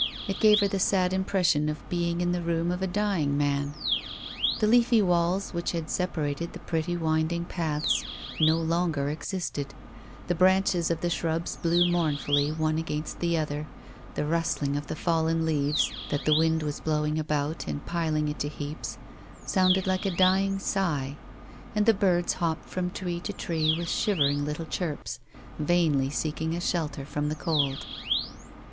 It gave her the sad impression of being in the room of a dying man. The leafy walls which had separated the pretty winding paths no longer existed, the branches of the shrubs blew mournfully one against the other, the rustling of the fallen leaves, that the wind was blowing about and piling into heaps, sounded like a dying sigh, and the birds hopped from tree to tree 78 A WOMAN'S LIFE. with shivering little chirps, vainly seeking a shelter from the cold.